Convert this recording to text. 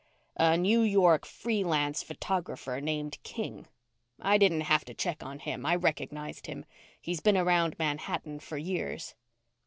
"A New York free lance photographer named King. I didn't have to check on him. I recognized him. He's been around Manhattan for years."